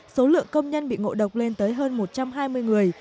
số lượng công nhân bị ngộ độc lên tới hơn một trăm hai mươi người